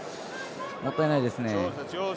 もったいないですね。